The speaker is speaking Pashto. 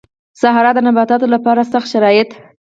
صحرا د نباتاتو لپاره سخت شرايط